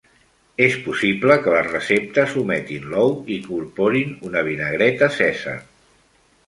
És possible que les receptes ometin l'ou i incorporin una "vinagreta Cèsar".